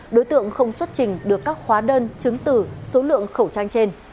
đối tượng không xuất trình được các hóa đơn chứng từ số lượng khẩu trang trên